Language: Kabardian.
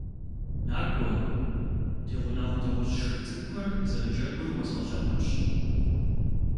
НакӀуэ, ди гъунэгъу дыгъужь шыр цӀыкӀухэр зэрыджэгур уэзгъэлъагъунщ!